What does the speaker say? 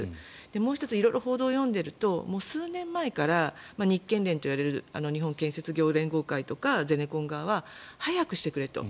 もう１つ色々報道を読んでいると数年前から日建連といわれる日本建設業連合会とかゼネコン側は早くしてくれと。